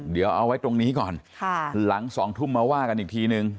เดี๋ยวเอาไว้ตรงนี้ก่อนหลัง๒ทุ่มมาว่ากันอีกทีนึง